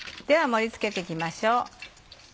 では盛り付けて行きましょう。